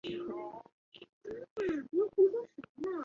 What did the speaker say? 平鲁城墙至今尚存。